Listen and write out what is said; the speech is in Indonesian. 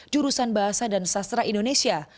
jurusan bahasa dan sastra indonesia